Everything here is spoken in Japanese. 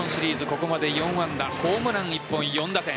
ここまで４安打ホームラン１本、４打点。